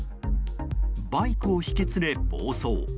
バイクを引き連れ暴走。